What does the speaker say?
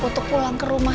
untuk pulang ke rumah